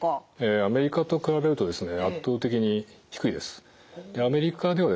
アメリカと比べると圧倒的に低いです。